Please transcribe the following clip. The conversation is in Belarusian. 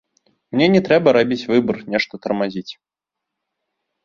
Мне не трэба рабіць выбар, нешта тармазіць.